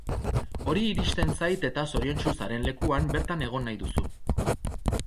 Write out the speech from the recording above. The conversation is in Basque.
Hori iristen zait eta zoriontsu zaren lekuan, bertan egon nahi duzu.